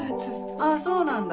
あっそうなんだ